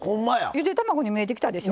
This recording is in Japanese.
ゆで卵に見えてきたでしょ？